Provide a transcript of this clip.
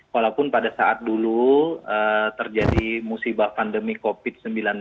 walaupun pada saat dulu terjadi musibah pandemi covid sembilan belas